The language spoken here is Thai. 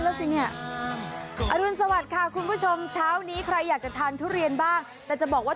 แล้วสิเนี่ยอรุณสวัสดิ์ค่ะคุณผู้ชมเช้านี้ใครอยากจะทานทุเรียนบ้างแต่จะบอกว่า